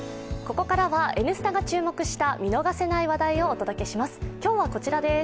ここからは「Ｎスタ」が注目した見逃せない話題をお届けします